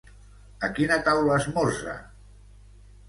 A quina taula esmorza?